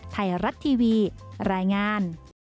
ไทยรัฐทีวีรายงาน